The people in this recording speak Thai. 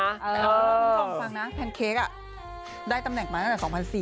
คุณผู้ชมฟังนะแพนเค้กได้ตำแหน่งมาตั้งแต่๒๔๐๐